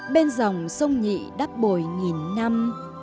bên dòng sông nhị đắp bồi nghìn năm